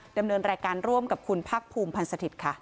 ดำเนินรายการร่วมกับคุณพักภูมิพันธ์สถิตย์ค่ะ